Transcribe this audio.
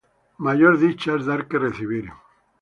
Mayor dicha es dar que recibir.